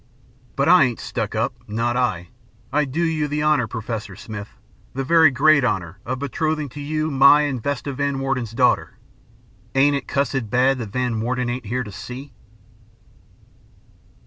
But I ain't stuck up not I. I do you the honor, Professor Smith, the very great honor of betrothing to you my and Vesta Van Warden's daughter. Ain't it cussed bad that Van Warden ain't here to see?'"